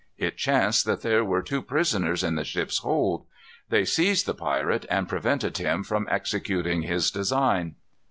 It chanced that there were two prisoners in the ship's hold. They seized the pirate, and prevented him from executing his design.